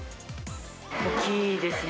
大きいですね。